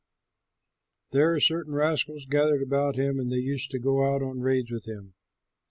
There certain rascals gathered about him, and they used to go out on raids with him.